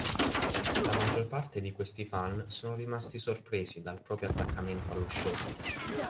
La maggior parte di questi fan sono rimasti sorpresi dal proprio attaccamento allo show.